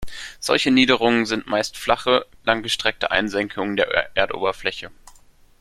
Solche Niederungen sind meist flache, langgestreckte Einsenkungen der Erdoberfläche.